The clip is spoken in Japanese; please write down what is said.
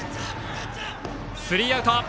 スリーアウト。